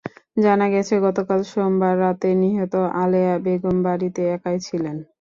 জানা গেছে, গতকাল সোমবার রাতে নিহত আলেয়া বেগম বাড়িতে একাই ছিলেন।